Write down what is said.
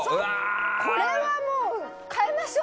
これはもう変えましょう。